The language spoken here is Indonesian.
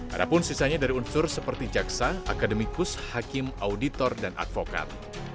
ada pun sisanya dari unsur seperti jaksa akademikus hakim auditor dan advokat